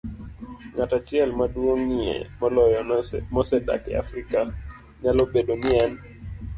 Ng'at achiel maduong'ie moloyo mosedak e Afrika, nyalo bedo ni en